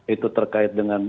itu terkait dengan